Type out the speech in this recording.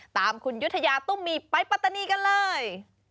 ตามคุณยุธยาตุ้มมีไปปัตตานีกันเลย